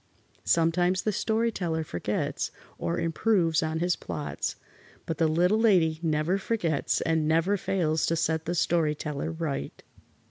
Sometimes the Story Teller forgets or improves on his plots, but the Little Lady never forgets and never fails to set the Story Teller right.